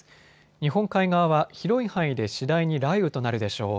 日本海側は広い範囲で次第に雷雨となるでしょう。